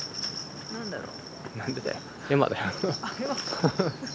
何だろう？